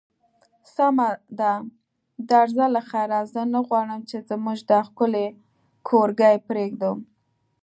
سمه ده، درځه له خیره، زه نه غواړم چې زموږ دا ښکلی کورګی پرېږدم.